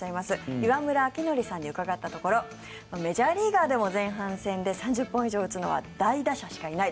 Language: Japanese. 岩村明憲さんに伺ったところメジャーリーガーでも前半戦で３０本以上打つのは大打者しかいない。